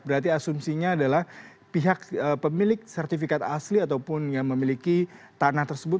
berarti asumsinya adalah pihak pemilik sertifikat asli ataupun yang memiliki tanah tersebut